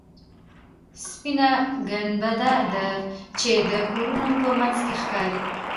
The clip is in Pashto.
سپینه ګنبده چې د کورونو په منځ کې ښکاري.